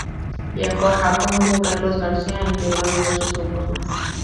Viajó a Japón con Carlos García e integró diversos grupos más.